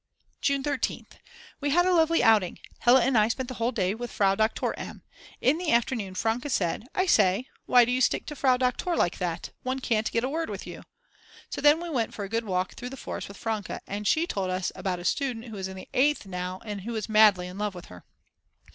June 13th. We had a lovely outing. Hella and I spent the whole day with Frau Doktor M.; in the afternoon Franke said: "I say, why do you stick to Frau Doktor like that? One can't get a word with you." So then we went for a good walk through the forest with Franke and she told us about a student who is in the Eighth now and who is madly in love with her.